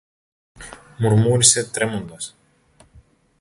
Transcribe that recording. μουρμούρισε τρέμοντας.